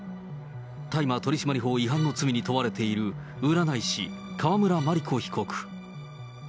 大麻取締法違反の罪に問われている占い師、川村麻理子被告。